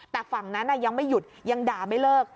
แต่ฝั่งนั้นยังไม่หยุดยังด่าไม่เลิก